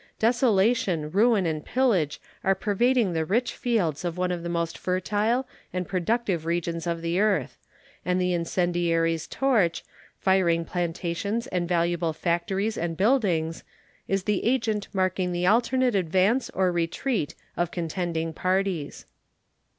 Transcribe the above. Desolation, ruin, and pillage are pervading the rich fields of one of the most fertile and productive regions of the earth, and the incendiary's torch, firing plantations and valuable factories and buildings, is the agent marking the alternate advance or retreat of contending parties.